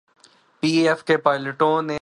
P A F کے پائلٹوں نے بھی کمال کرکے دکھایا۔